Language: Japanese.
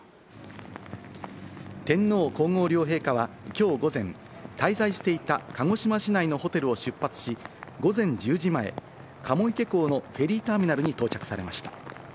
天皇皇后両陛下はきょう午前、滞在していた鹿児島市内のホテルを出発し、午前１０時前、鴨池港のフェリーターミナルに到着されました。